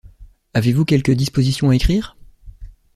Avez-vous quelque disposition à écrire?